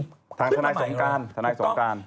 ทางทนายสงการทนายสงการ